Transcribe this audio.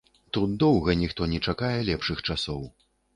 Тут доўга ніхто не чакае лепшых часоў.